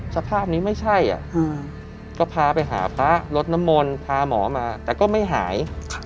สภาพนี้ไม่ใช่ก็พาไปหาพระรถน้ำมนต์พาหมอมาแต่ก็ไม่หาย